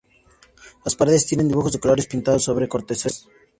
Las paredes tienen dibujos de colores pintados sobre cortezas.